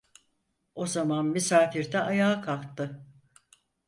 O zaman misafir de ayağa kalktı: